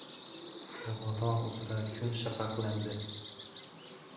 Bobotog‘ uzra kun shafaqlandi.